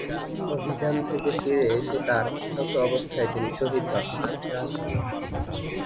অভিযান থেকে ফিরে এসে তার আহত অবস্থায় তিনি শহীদ হন।